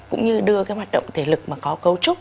cũng như đưa cái hoạt động thể lực mà có cấu trúc